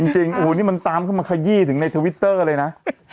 จริงโอ้โหนี่มันตามเข้ามาขยี้ถึงในทวิตเตอร์เลยนะ